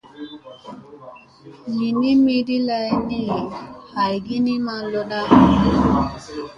Li ni miɗi lay ni aygi ni maŋ lona.